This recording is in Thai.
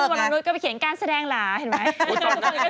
พี่เริ่มบังรุษก็ไปเขียนการแสดงหลาเห็นไหม